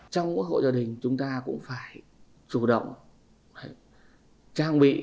trong hội gia đình chúng ta cũng phải chủ động trang bị các